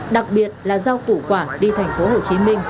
đặc biệt là rau củ quả đi thành phố hồ chí minh